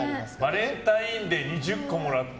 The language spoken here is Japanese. バレンタインデー２０個もらった。